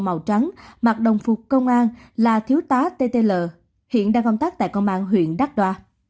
màu trắng mặc đồng phục công an là thiếu tá ttl hiện đang công tác tại công an huyện đắc đoa